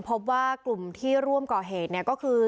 พบว่ากลุ่มที่ร่วมก่อเหตุเนี่ยก็คือ